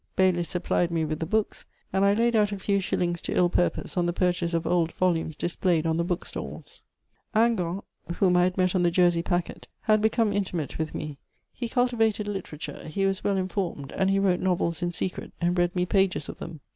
Baylis supplied me with the books, and I laid out a few shillings to ill purpose on the purchase of old volumes displayed on the bookstalls. Hingant, whom I had met on the Jersey packet, had become intimate with me. He cultivated literature, he was well informed, and he wrote novels in secret and read me pages of them.